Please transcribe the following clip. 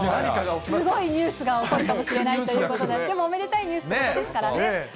すごいニュースが起こるかもしれないということで、でもおめでたいニュースということですからね。